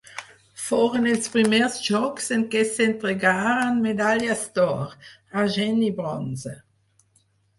Foren els primers Jocs en què s'entregaren medalles d'or, argent i bronze.